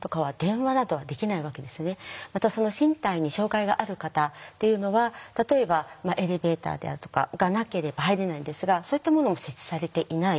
また身体に障害がある方っていうのは例えばエレベーターであるとかがなければ入れないんですがそういったものも設置されていない。